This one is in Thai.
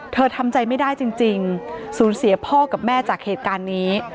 ทำใจไม่ได้จริงสูญเสียพ่อกับแม่จากเหตุการณ์นี้